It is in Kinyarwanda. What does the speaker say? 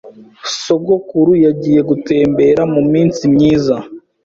Sogokuru yagiye gutembera muminsi myiza.